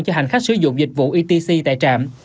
cho hành khách sử dụng dịch vụ etc tại trạm